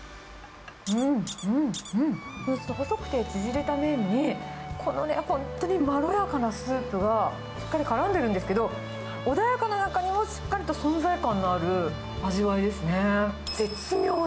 うんうんうん、細くて縮れた麺に、このね、本当にまろやかなスープがしっかりからんでるんですけど、穏やかな中にも、しっかりと存在感のある味わいですね。